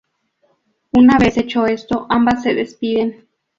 Una vez hecho esto, ambas se despiden.